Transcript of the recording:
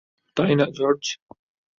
তাই না, জর্জ?